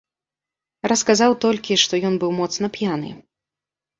Расказаў толькі, што ён быў моцна п'яны.